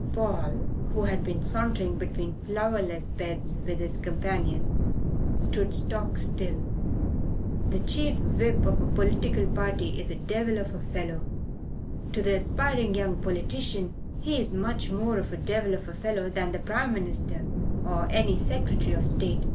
Paul, who had been sauntering between flowerless beds with his companion, stood stock still. The Chief Whip of a political party is a devil of a fellow. To the aspiring young politician he is much more a devil of a fellow than the Prime Minister or any Secretary of State.